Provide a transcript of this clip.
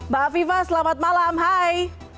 mbak afifah selamat malam hai